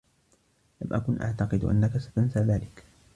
لم أكن أعتقد أنّك ستنسى ذلك.